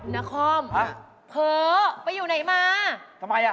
นครเผลอไปอยู่ไหนมาทำไมอ่ะ